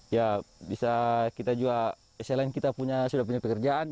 ya bisa kita juga selain kita sudah punya pekerjaan